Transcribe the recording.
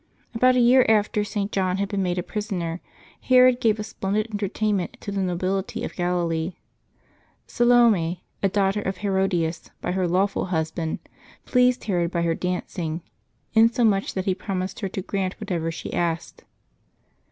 About a year after St. John had been made a prisoner, Herod gave a splendid entertain ment to the nobility of Galilee. Salome, a daughter of Herodias by her lawful husband, pleased Herod by her dancing, insomuch that he promised her to grant whatever she asked.